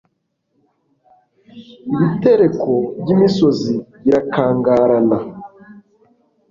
ibitereko by'imisozi birakangarana